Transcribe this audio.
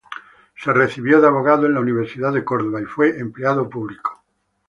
Se recibió de abogado en la Universidad de Córdoba y fue empleado público.